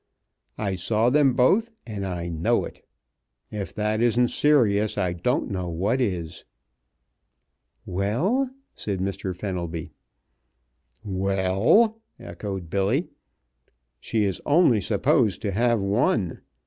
I saw them both and I know it. If that isn't serious I don't know what is." "Well?" said Mr. Fenelby. "Well," echoed Billy, "she is only supposed to have one.